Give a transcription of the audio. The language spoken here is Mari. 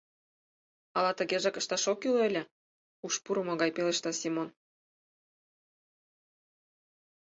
— Ала тыгежак ышташ ок кӱл ыле? — уш пурымо гай пелешта Семон.